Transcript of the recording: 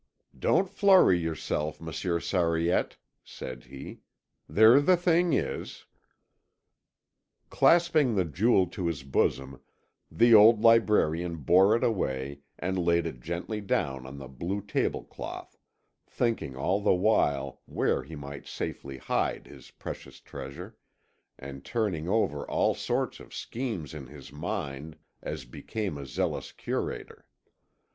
"Don't flurry yourself, Monsieur Sariette," said he. "There the thing is." Clasping the jewel to his bosom the old librarian bore it away and laid it gently down on the blue table cloth, thinking all the while where he might safely hide his precious treasure, and turning over all sorts of schemes in his mind as became a zealous curator.